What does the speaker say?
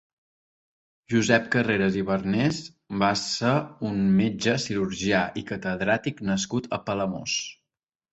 Josep Carreras i Barnés va ser un metge, cirurgià i catedràtic nascut a Palamós.